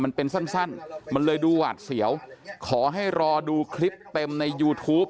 มันเป็นสั้นมันเลยดูหวาดเสียวขอให้รอดูคลิปเต็มในยูทูป